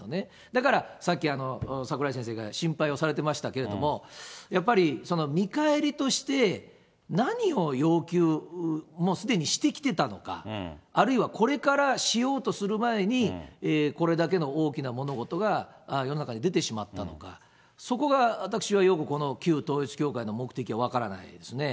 だから、さっき櫻井先生が心配をされてましたけれども、やはり見返りとして何を要求、もうすでにしてきてたのか、あるいはこれからしようとする前に、これだけの大きな物事が世の中に出てしまったとか、そこが私はよくこの旧統一教会の目的が分からないですね。